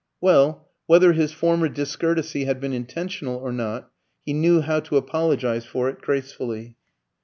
Well, whether his former discourtesy had been intentional or not, he knew how to apologise for it gracefully.